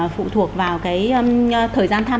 phụ thuộc vào cái thời gian